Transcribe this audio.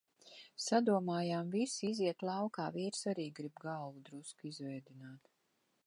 Sadomājām visi iziet laukā, vīrs arī grib galvu drusku izvēdināt.